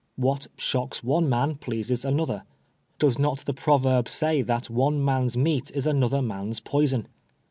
What shocks one man pleases another. Does not the proverb say that one man's meat Is another man's poison